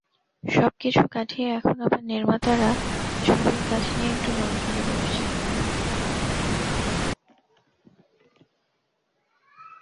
সবকিছু কাটিয়ে এখন আবার নির্মাতারা ছবির কাজ নিয়ে একটু নড়েচড়ে বসছেন।